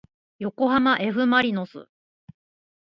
よこはまえふまりのす